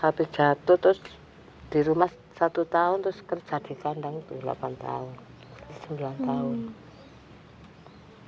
habis jatuh terus di rumah satu tahun terus kerja di kandang itu delapan tahun sembilan tahun